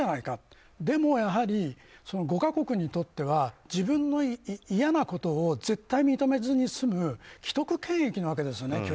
でも、やはり５か国にとっては自分の嫌なことを絶対認めずに済む既得権益なわけですよね。